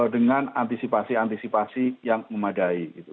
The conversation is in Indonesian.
dengan antisipasi antisipasi yang memadai gitu